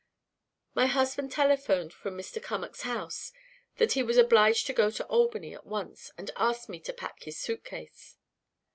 "My husband telephoned from Mr. Cummack's house that he was obliged to go to Albany at once and asked me to pack his suitcase."